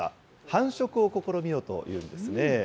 繁殖を試みようというんですね。